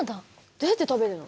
どうやって食べるの？